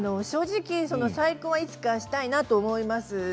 正直、再婚はいつかしたいなと思います。